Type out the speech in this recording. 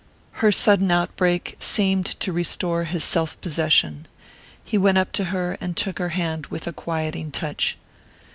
Her sudden outbreak seemed to restore his self possession. He went up to her and took her hand with a quieting touch.